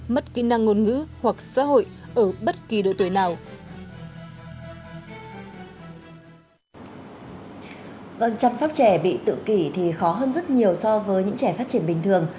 mất kỹ năng ngôn ngữ hoặc xã hội ở bất kỳ độ tuổi nào